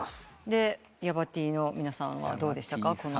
でヤバＴの皆さんはどうでしたか？